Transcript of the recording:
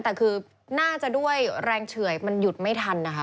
แต่คือน่าจะด้วยแรงเฉื่อยมันหยุดไม่ทันนะคะ